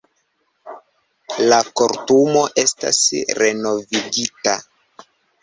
La Kortumo estas renovigita.